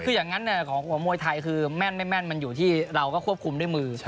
คืออย่างนั้นของมวยไทยคือแม่นไม่แม่นมันอยู่ที่เราก็ควบคุมด้วยมือ